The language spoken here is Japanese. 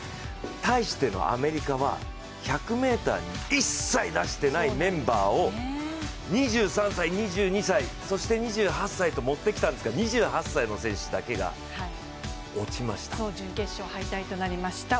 対してのアメリカは、１００ｍに一切出してないメンバーを２３歳、２２歳、そして２８歳と持ってきたんですが準決勝敗退となりました。